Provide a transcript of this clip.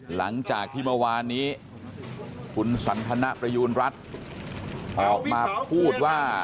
หลังจากที่เมื่อวานนี้คุณสันทนประยูณรัฐออกมาพูดว่า